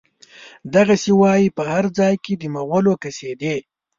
دغه چې وايي، په هر ځای کې د مغول قصيدې